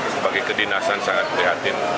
sebagai kedinasan sangat prihatin